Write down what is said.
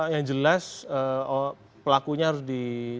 yang jelas pelakunya harus di